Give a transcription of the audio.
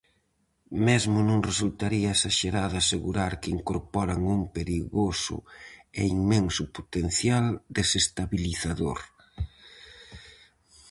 Mesmo non resultaría esaxerado asegurar que incorporan un perigoso e inmenso potencial desestabilizador.